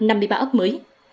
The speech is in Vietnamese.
ba trăm năm mươi ba ấp mới